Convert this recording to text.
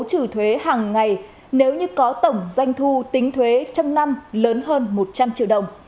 doanh thu đối tính thuế hàng ngày nếu như có tổng doanh thu tính thuế trong năm lớn hơn một trăm linh triệu đồng